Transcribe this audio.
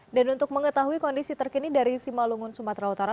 dan untuk mengetahui kondisi terkini dari simalungun sumatera utara